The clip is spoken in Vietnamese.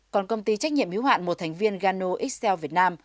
còn công ty trách nhiệm hữu hạn một thành viên gano xl việt nam